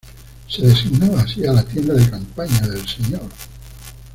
Se designaba así a la tienda de campaña del señor.